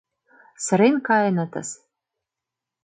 Сырен каенытыс.